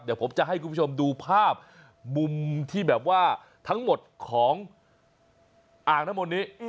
เดี๋ยวผมจะให้คุณผู้ชมดูภาพมุมที่แบบว่าทั้งหมดของอ่างน้ำมนต์นี้